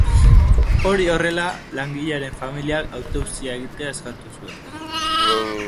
Hori horrela, langilearen familiak autopsia egitea eskatu zuen.